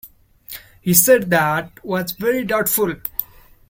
He said that was very doubtful.